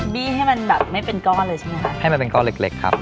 บี้ให้มันแบบไม่เป็นก้อนเลยใช่ไหมคะให้มันเป็นก้อนเล็กครับ